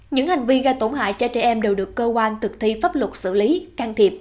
những hành vi gây tổn hại cho trẻ em đều được cơ quan thực thi pháp luật xử lý can thiệp